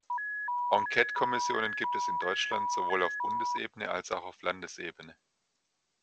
Enquete-Kommissionen gibt es in Deutschland sowohl auf Bundesebene als auch auf Landesebene.